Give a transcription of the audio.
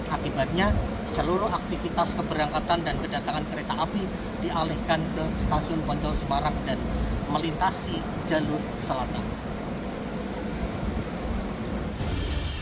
akibatnya seluruh aktivitas keberangkatan dan kedatangan kereta api dialihkan ke stasiun poncol semarang dan melintasi jalur selatan